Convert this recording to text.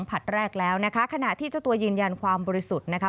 ผลัดแรกแล้วนะคะขณะที่เจ้าตัวยืนยันความบริสุทธิ์นะคะ